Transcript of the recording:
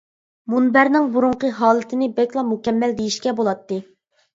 مۇنبەرنىڭ بۇرۇنقى ھالىتىنى بەكلا مۇكەممەل دېيىشكە بولاتتى.